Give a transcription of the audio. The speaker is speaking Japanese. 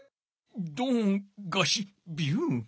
ドンガシッビュン？